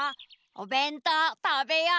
おべんとうたべよう！